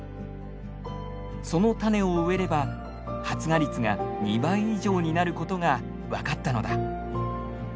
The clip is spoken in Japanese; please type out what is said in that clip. その種を植えれば発芽率が２倍以上になることが分かったのだ。